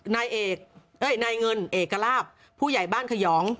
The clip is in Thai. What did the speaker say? นายเงินเอกลาบผู้ใหญ่บ้านขยอง